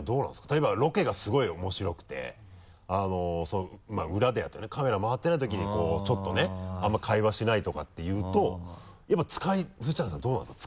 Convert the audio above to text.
例えばロケがすごい面白くて裏ではというかカメラ回ってないときにちょっとねあんまり会話しないとかっていうとやっぱ藤谷さんどうなんですか？